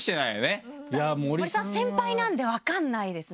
森さん先輩なんで分かんないですね。